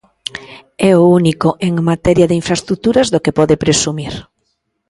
É o único en materia de infraestruturas do que pode presumir.